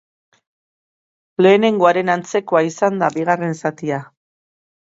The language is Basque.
Lehenengoaren antzekoa izan da bigarren zatia.